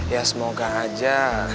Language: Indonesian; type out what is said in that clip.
ya semoga aja